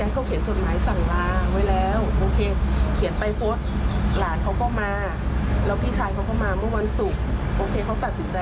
ก็เลยมาผีบังคับตัวน้องอย่างงี้ค่ะ